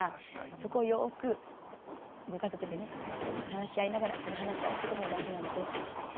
そこをよくご家族でね話し合いながらこの話し合うっていうことも大事なので。